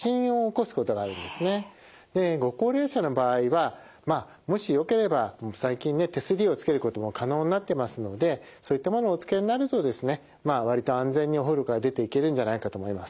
でご高齢者の場合はまあもしよければ最近ね手すりを付けることも可能になってますのでそういったものをお付けになるとですねまあ割と安全にお風呂から出ていけるんじゃないかと思います。